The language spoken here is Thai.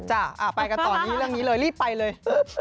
ไปกันต่อนี้เรื่องนี้เลยรีบไปเลย